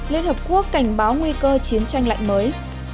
liên hợp quốc cảnh báo nguy cơ chiến tranh lạnh mới